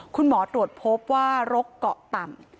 คุณหมอตรวจพบว่าโรคเกาะต่ำ